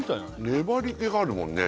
粘りけがあるもんね